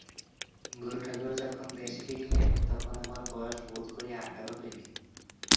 গুরুঠাকুর যখন দেশে ফিরিলেন তখন আমার বয়স বোধ করি আঠারো হইবে।